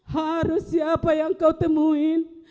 harus siapa yang kau temuin